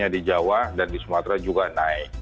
di jawa dan di sumatera juga naik